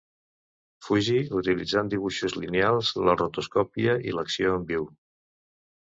Fuji, utilitzant dibuixos lineals, la rotoscòpia i l'acció en viu.